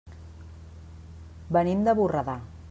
Venim de Borredà.